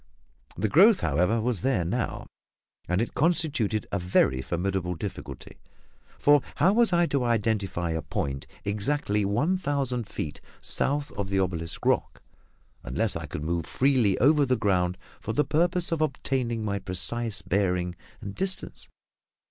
The growth, however, was there now, and it constituted a very formidable difficulty, for how was I to identify a point exactly one thousand feet south of the obelisk rock, unless I could move freely over the ground for the purpose of obtaining my precise bearing and distance?